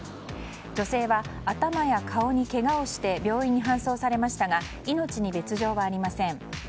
女性は、頭や顔にけがをして病院に搬送されましたが命に別条はありません。